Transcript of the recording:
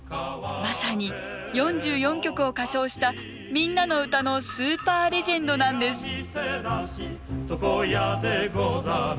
まさに４４曲を歌唱した「みんなのうた」のスーパーレジェンドなんです。